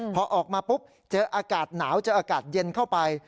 พอออกมาปุ๊บเจออากาศหนาวเจออากาศเย็นเข้าไป